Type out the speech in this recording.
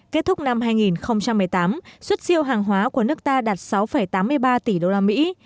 kết thúc năm hai nghìn một mươi tám xuất siêu hàng hóa của nước ta đạt sáu tám mươi ba tỷ đô la mỹ